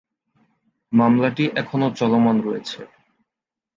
মামলাটি এখনো চলমান রয়েছে।